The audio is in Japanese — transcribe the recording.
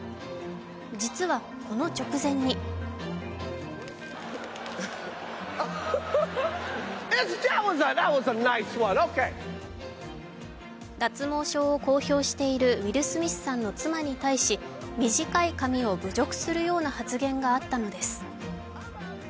実はこの直前に脱毛症を公表しているウィル・スミスさんの妻に対し短い髪を侮辱するような発言があったのです。